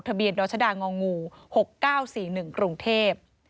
ทะเบียดรอชดางองงู๖๙๔๑กรุงเทพฯ